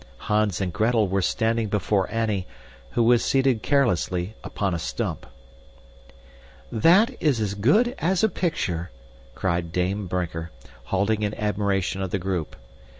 Hans and Gretel were standing before Annie, who was seated carelessly upon a stump. "That is as good as a picture!" cried Dame Brinker, halting in admiration of the group.